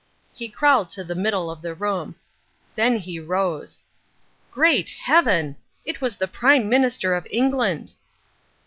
He crawled to the middle of the room. Then he rose. Great Heaven! It was the Prime Minister of England.